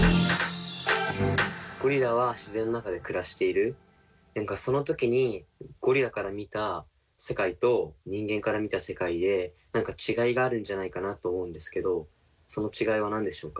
ゴリラは自然の中で暮らしている何かその時にゴリラから見た世界と人間から見た世界で何か違いがあるんじゃないかと思うんですけどその違いは何でしょうか？